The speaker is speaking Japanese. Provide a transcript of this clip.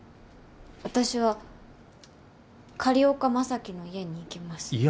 私は狩岡将貴の家に行きます。